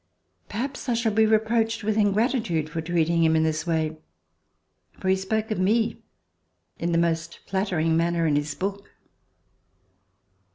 Perhaps I shall be reproached with ingratitude for treating him in this way, for he spoke of me in the most flattering manner in his book.